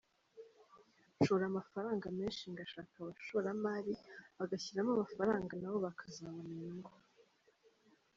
Nshora amafaranga menshi, ngashaka abashoramari bagashyiramo amafaranga na bo bakazabona inyungu.